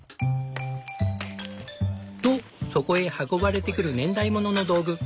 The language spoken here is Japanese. とそこへ運ばれてくる年代物の道具。